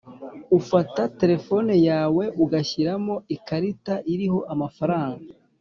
ufata telefoni yawe ugashiramo ikarita iriho amafaranga